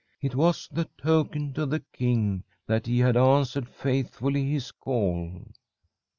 It was the token to the king that he had answered faithfully his call.